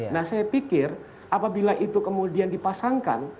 nah saya pikir apabila itu kemudian dipasangkan